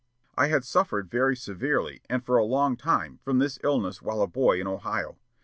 I had suffered very severely and for a long time from this disease while a boy in Ohio.